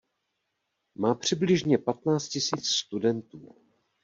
Má přibližně patnáct tisíc studentů.